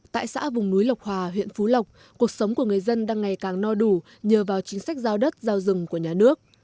tại xã vùng núi lộc hòa huyện phú lộc cuộc sống của người dân đang ngày càng no đủ nhờ vào chính sách giao đất giao rừng của nhà nước